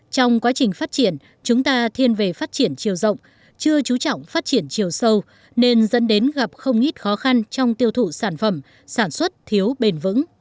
trong quá trình phát triển chúng ta thiên về phát triển chiều rộng chưa chú trọng phát triển chiều sâu nên dẫn đến gặp không ít khó khăn trong tiêu thụ sản phẩm sản xuất thiếu bền vững